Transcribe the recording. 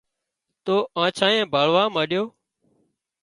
تو آنڇانئي ڀاۯوا مانڏيو